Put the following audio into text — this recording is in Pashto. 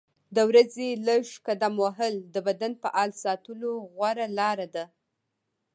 د ورځې لږ قدم وهل د بدن فعال ساتلو غوره لاره ده.